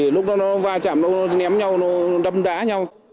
lúc đó nó va chạm nó ném nhau nó đâm đá nhau